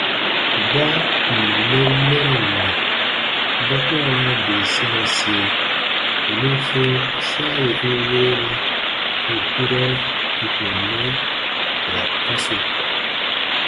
Baa ǹ n mɛn mɛran na, ba ku ra raa bii sinasie bù nùn sɔ̃ɔ saa yè n weenɛ ù durɔ n kùn mɛ kurɔ kasu.